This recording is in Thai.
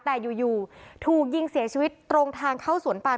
แต่อยู่ถูกยิงเสียชีวิตตรงทางเข้าสวนปาม